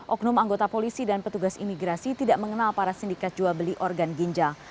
oknum anggota polisi dan petugas imigrasi tidak mengenal para sindikat jual beli organ ginjal